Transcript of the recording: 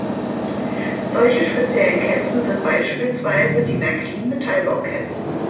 Solche speziellen Kästen sind beispielsweise die Märklin-Metallbaukästen.